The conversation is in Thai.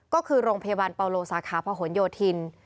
ก็คือโรงพยาบาลเปาโลสาขาพหนโยธิน